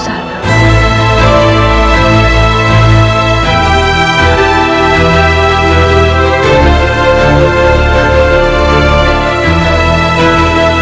ibu nang akan selamatkan ibu